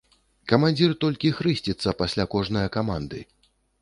Камандзір толькі хрысціцца пасля кожнае каманды.